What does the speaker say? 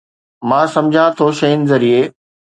مان سمجهان ٿو شين ذريعي